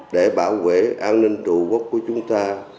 để bảo vệ an ninh trụ quốc của chúng ta